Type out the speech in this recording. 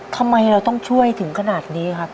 ทำไมเราต้องช่วยถึงขนาดนี้ครับ